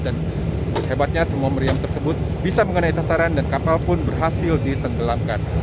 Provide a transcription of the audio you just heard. dan hebatnya semua meriam tersebut bisa mengenai sasaran dan kapal pun berhasil ditenggelamkan